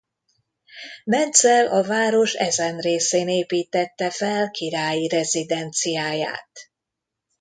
Vencel a város ezen részén építtette fel királyi rezidenciáját.